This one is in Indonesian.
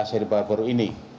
hari baru ini